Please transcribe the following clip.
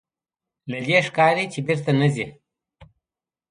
له دې ښکاري چې بېرته نه ځې.